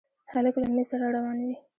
هلک له امید سره روان وي.